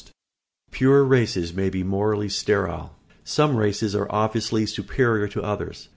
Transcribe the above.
[Sidenote: "Pure" races may be morally sterile.] Some races are obviously superior to others.